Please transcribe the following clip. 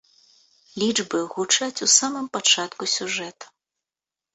Лічбы гучаць у самым пачатку сюжэта.